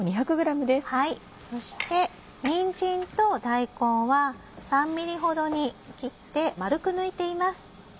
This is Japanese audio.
そしてにんじんと大根は３ｍｍほどに切って丸く抜いています。